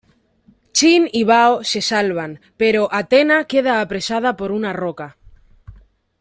Chin y Bao se salvan, pero Athena queda apresada por una roca.